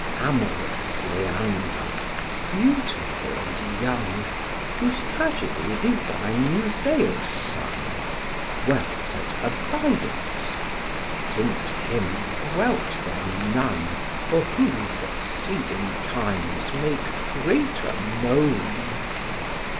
Amorous Leander, beautiful and young, (Whose tragedy divine Musæus sung,) Dwelt at Abydos; since him dwelt there none For whom succeeding times make greater moan.